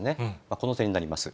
この点になります。